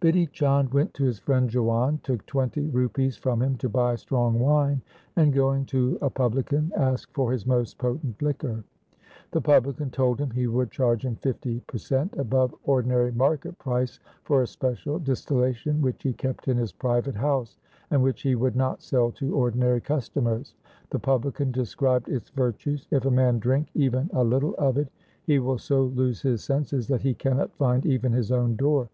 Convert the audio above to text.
Bidhi Chand went to his friend Jiwan, took twenty rupees from him to buy strong wine, 1 and going to a publican asked for his most potent liquor. The publican told him he would charge him fifty per cent, above ordinary market price for a special distillation which he kept in his private house, and which he would not sell to ordinary customers. The publican described its virtues, ' If a man drink even a little of it, he will so lose his senses that he cannot find even his own door.